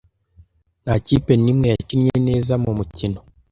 Nta kipe n'imwe yakinnye neza mu mukino.